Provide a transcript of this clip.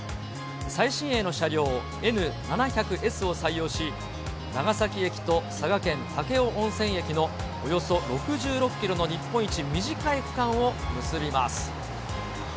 最新鋭の車両、Ｎ７００Ｓを採用し、長崎駅と佐賀県武雄温泉駅のおよそ６６キロの、日本一短い区間を結びます。